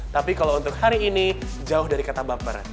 tapi kalau untuk hari ini jauh dari kata baper